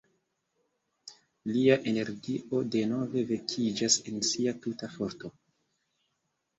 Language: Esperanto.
Lia energio denove vekiĝas en sia tuta forto.